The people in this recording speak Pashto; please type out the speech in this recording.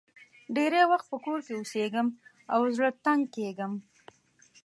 ډېری وخت په کور کې اوسېږم او زړه تنګ کېږم.